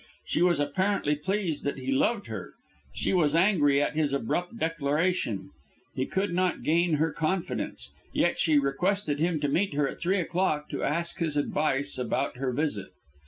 She was apparently pleased that he loved her; she was angry at his abrupt declaration; he could not gain her confidence; yet she requested him to meet her at three o'clock to ask his advice about her visit.